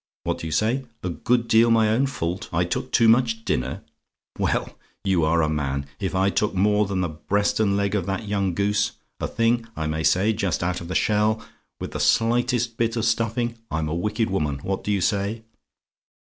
"What do you say? "A GOOD DEAL MY OWN FAULT? I TOOK TOO MUCH DINNER? "Well, you are a man! If I took more than the breast and leg of that young goose a thing, I may say, just out of the shell with the slightest bit of stuffing, I'm a wicked woman. What do you say?